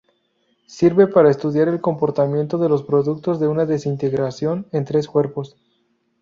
Sirve para estudiar el comportamiento de los productos de una desintegración en tres cuerpos.